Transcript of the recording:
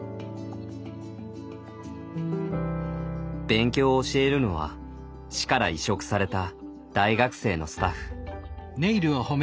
勉強を教えるのは市から委嘱された大学生のスタッフ。